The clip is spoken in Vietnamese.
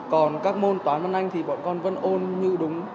còn các môn toán văn anh thì bọn con vẫn ôn như đúng